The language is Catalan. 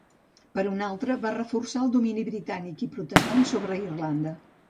Per un altre, va reforçar el domini britànic i protestant sobre Irlanda.